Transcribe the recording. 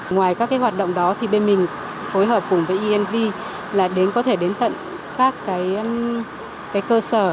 ngoài các hoạt động đó thì bên mình phối hợp cùng với inv là có thể đến tận các cơ sở